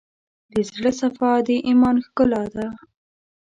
د زړه صفا، د ایمان ښکلا ده.